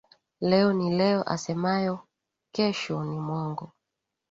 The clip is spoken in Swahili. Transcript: Leo ni leo asemayo kesho ni mwongo